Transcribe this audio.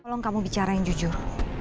tolong kamu bicara yang jujur